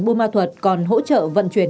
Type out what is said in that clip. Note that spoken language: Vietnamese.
bùa ma thuật còn hỗ trợ vận chuyển